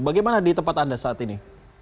bagaimana di tempat anda saat ini